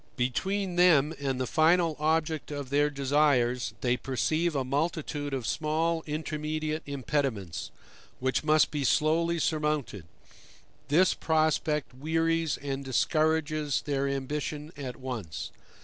Between them and the final object of their desires, they perceive a multitude of small intermediate impediments, which must be slowly surmounted: this prospect wearies and discourages their ambition at once.